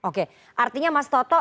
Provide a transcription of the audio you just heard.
oke artinya mas toto